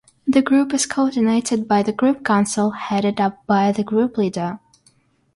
The Group is coordinated by the Group Council, headed up by the Group Leader.